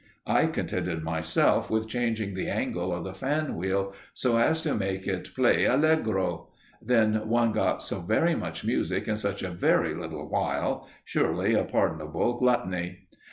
I contented myself with changing the angle of the fan wheel so as to make it play allegro; then one got so very much music in such a very little while surely a pardonable gluttony!